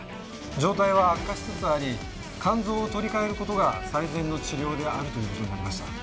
状態は悪化しつつあり肝臓を取り替える事が最善の治療であるという事になりました。